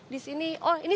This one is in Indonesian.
disini oh ini